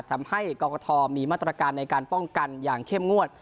ทำให้กรกฐมีมาตรการในการป้องกันอย่างเข้มงวด